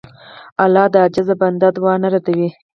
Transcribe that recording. الله د عاجز بنده دعا نه ردوي.